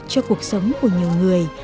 cho cuộc sống của nhiều người